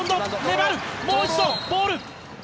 もう一度、ボール。